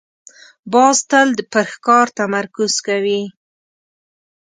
باز تل پر ښکار تمرکز کوي